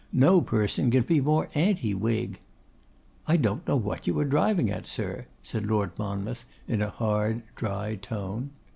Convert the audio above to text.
No person can be more anti Whig.' 'I don't know what you are driving at, sir,' said Lord Monmouth, in a hard, dry tone.